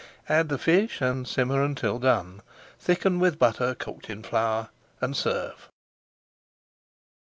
Add the fish and simmer until done. Thicken with butter cooked in flour, and serve.